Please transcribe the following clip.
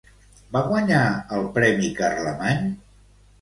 Va guanyar el premi Carlemany?